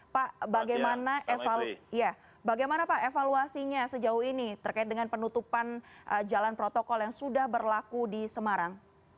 pak bagaimana pak evaluasinya sejauh ini terkait dengan penutupan jalan protokol yang sudah berlaku di semarang